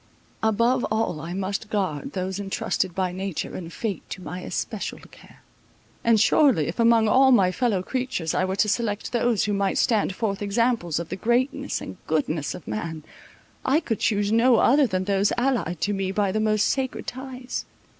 Above all I must guard those entrusted by nature and fate to my especial care. And surely, if among all my fellow creatures I were to select those who might stand forth examples of the greatness and goodness of man, I could choose no other than those allied to me by the most sacred ties.